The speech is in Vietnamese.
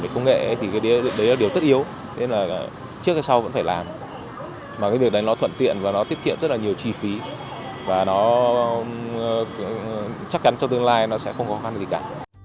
mà cái việc đấy nó thuận tiện và nó tiết kiệm rất là nhiều chi phí và nó chắc chắn trong tương lai nó sẽ không có khó khăn gì cả